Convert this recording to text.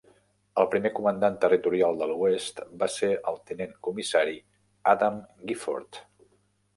El primer comandant territorial de l'Oest va ser el tinent comissari Adam Gifford.